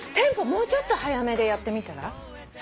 もうちょっと速めでやってみたら？